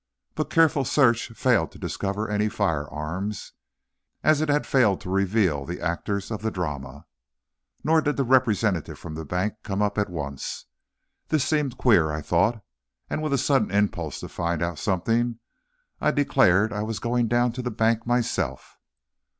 But careful search failed to discover any firearms, as it had failed to reveal the actors of the drama. Nor did the representative from the bank come up at once. This seemed queer, I thought, and with a sudden impulse to find out something, I declared I was going down to the bank myself.